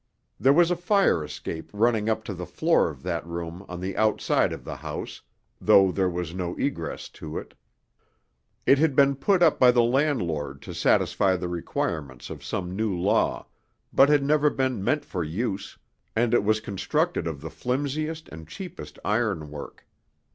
There was a fire escape running up to the floor of that room on the outside of the house, though there was no egress to it. It had been put up by the landlord to satisfy the requirements of some new law; but had never been meant for use, and it was constructed of the flimsiest and cheapest ironwork.